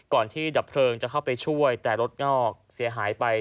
ก่อนที่ดับเผลอจะเข้าไปช่วยแต่รถยาวเชียบหายไป